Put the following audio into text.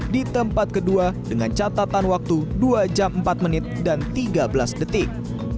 di tempat kedua dengan catatan waktu dua jam empat menit dan tiga belas detik